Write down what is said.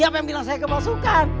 mau lari kemana